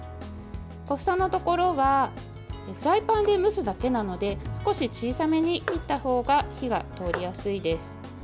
小房のところはフライパンで蒸すだけなので少し小さめに切ったほうが火が通りやすいです。